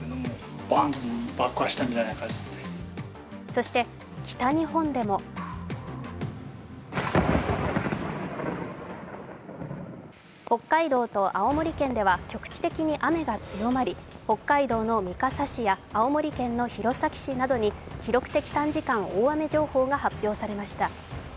そして北日本でも北海道と青森県では局地的に雨が強まり北海道の三笠市や青森県の弘前市などに記録的短時間大雨情報が発表されました。